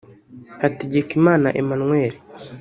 Hategekimana Emmanuel